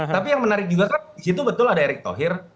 tapi yang menarik juga kan di situ betul ada erick thohir